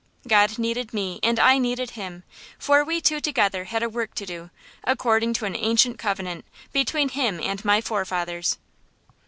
God needed me and I needed Him, for we two together had a work to do, according to an ancient covenant between Him and my forefathers.